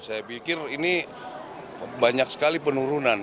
saya pikir ini banyak sekali penurunan